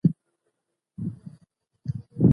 الله پاک پر خپلو مخلوقاتو ډېر لورېدونکی دی.